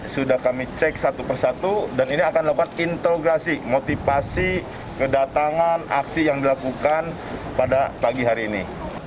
sudah kami cek satu persatu dan ini akan dilakukan integrasi motivasi kedatangan aksi yang dilakukan pada pagi hari ini